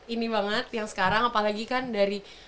ini banget yang sekarang apalagi kan dari